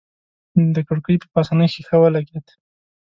د کړکۍ په پاسنۍ ښيښه ولګېد.